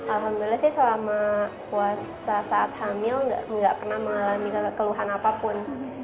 alhamdulillah saya selama puasa saat hamil tidak pernah mengalami kekeluhan apapun